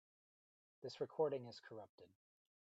This recording is corrupted.